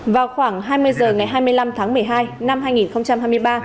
vào khoảng hai mươi h ngày hai mươi năm tháng một mươi hai năm hai nghìn hai mươi ba